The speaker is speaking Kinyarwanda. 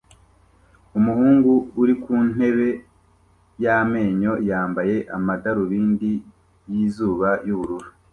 umuhungu uri ku ntebe y amenyo yambaye amadarubindi yizuba yubururu